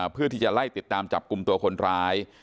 เพื่อที่จะไล่ติดตามจับกลุ่มตัวคนร้าย